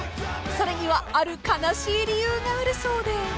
［それにはある悲しい理由があるそうで］